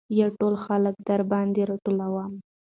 يا ټول خلک درباندې راټولم .